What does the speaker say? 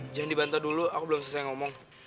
jangan dibantu dulu aku belum selesai ngomong